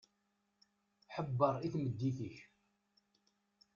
Ḥebber i tmeddit-ik.